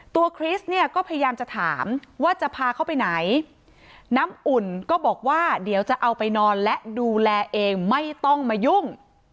คริสเนี่ยก็พยายามจะถามว่าจะพาเขาไปไหนน้ำอุ่นก็บอกว่าเดี๋ยวจะเอาไปนอนและดูแลเองไม่ต้องมายุ่ง